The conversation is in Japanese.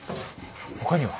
他には？